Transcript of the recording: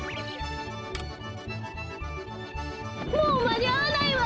もうまにあわないわ！